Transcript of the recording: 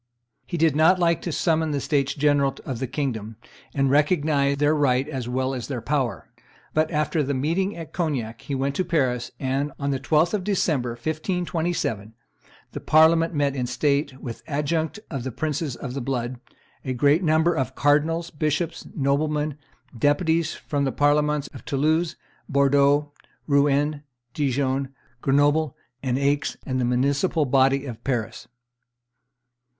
He did not like to summon the states general of the kingdom, and recognize their right as well as their power; but, after the meeting at Cognac, he went to Paris, and, on the 12th of December, 1527, the Parliament met in state with the adjunct of the princes of the blood, a great number of cardinals, bishops, noblemen, deputies from the Parliaments of Toulouse, Bordeaux, Rouen, Dijon, Grenoble, and Aix, and the municipal body of Paris.